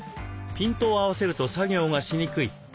ピントを合わせると作業がしにくい。